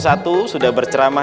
saya hampir salah